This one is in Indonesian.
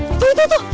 itu itu itu